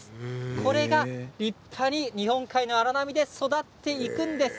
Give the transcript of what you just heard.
これが立派に日本海の荒波で育っていくんです。